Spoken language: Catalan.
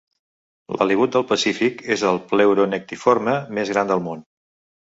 L'halibut del Pacífic és el pleuronectiforme més gran del món.